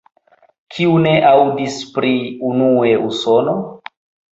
Kiu ne aŭdis pri "Unue Usono"?